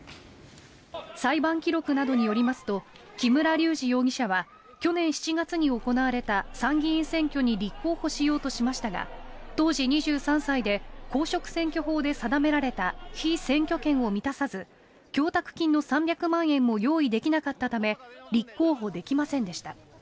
裁判記録などによりますと木村隆二容疑者は去年７月に行われた参議院選挙に立候補しようとしましたが当時２３歳で公職選挙法で定められた被選挙権を満たさず供託金の３００万円も用意できなかったため立候補できませんでした。